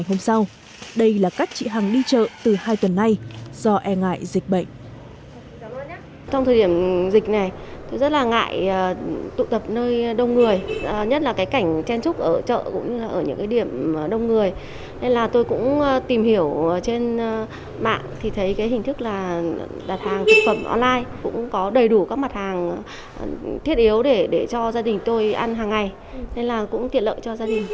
cũng có đầy đủ các mặt hàng thiết yếu để cho gia đình tôi ăn hàng ngày nên là cũng tiện lợi cho gia đình